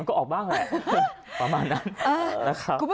มันก็ออกบ้างแหละประมาณนั้น